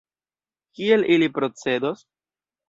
Kiel ili procedos?